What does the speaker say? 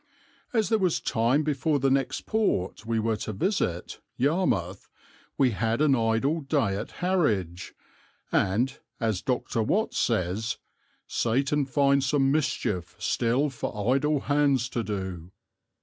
As there was time before the next port we were to visit, Yarmouth, we had an idle day at Harwich, and, as Dr. Watts says, 'Satan finds some mischief still for idle hands to do.'